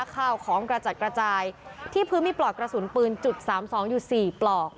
ข้าวของกระจัดกระจายที่พื้นมีปลอกกระสุนปืนจุดสามสองอยู่สี่ปลอก